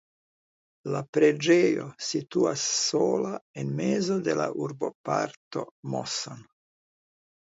La preĝejo situas sola en mezo de la urboparto Moson.